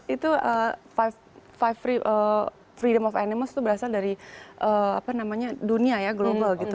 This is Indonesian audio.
itu freedom of animal itu berasal dari dunia ya global gitu